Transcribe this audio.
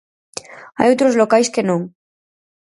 Hai outros locais que non.